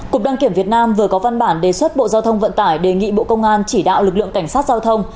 cục đăng kiểm việt nam vừa có văn bản đề xuất bộ giao thông vận tải đề nghị bộ công an chỉ đạo lực lượng cảnh sát giao thông